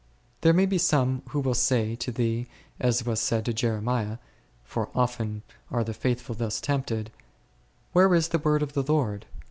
There may be some who will say to thee as was said to Jeremiah (for often are the faithful thus tempted), Where is the word of the Lord?